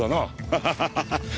ハハハハハ！